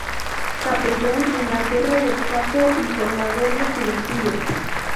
Capellán en la guerra del Chaco y formador de juventudes.